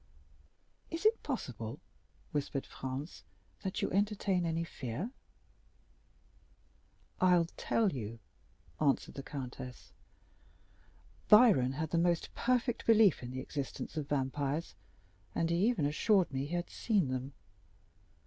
"Is it possible," whispered Franz, "that you entertain any fear?" "I'll tell you," answered the countess. "Byron had the most perfect belief in the existence of vampires, and even assured me that he had seen them.